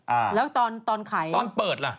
อ้าแล้วตอนไข่ตอนเปิดล่ะ